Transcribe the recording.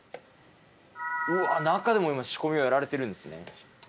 うわ中でも今仕込みをやられてるんですね。